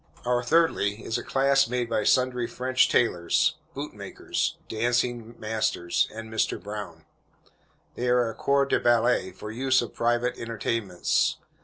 Our thirdly, is a class made by sundry French tailors, bootmakers, dancing masters, and Mr. Brown. They are a corps de ballet, for use of private entertainments.